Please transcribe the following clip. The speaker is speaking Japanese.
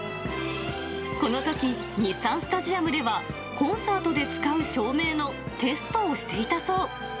このとき、日産スタジアムではコンサートで使う照明のテストをしていたそう。